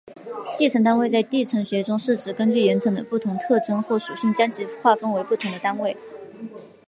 地层单位在地层学中是指根据岩层的不同特征或属性将其划分成的不同单位。